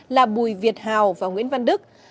là bùi việt hào và nguyễn văn đức